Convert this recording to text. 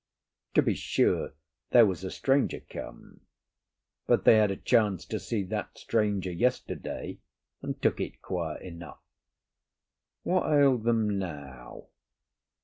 To be sure, there was a stranger come, but they had a chance to see that stranger yesterday, and took it quiet enough. What ailed them now?